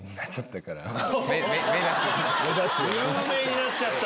「有名になっちゃった」！